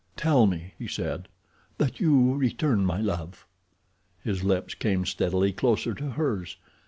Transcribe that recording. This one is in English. "Tell me," he said, "that you return my love." His lips came steadily closer to hers.